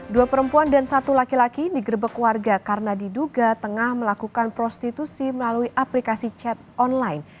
dua perempuan dan satu laki laki digerebek warga karena diduga tengah melakukan prostitusi melalui aplikasi chat online